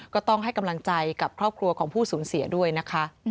ก็ต้องให้กำลังใจกับครอบครัวของผู้สูญเสียด้วยนะคะ